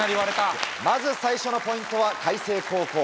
まず最初のポイントは開成高校。